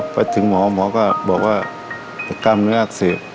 ไปถึงหมอหมอก็บอกว่ากล้ามเนื้ออักเสบ